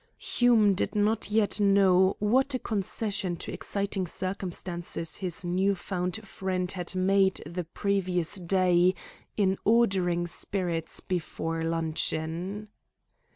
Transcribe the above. Hume did not yet know what a concession to exciting circumstances his new found friend had made the previous day in ordering spirits before luncheon.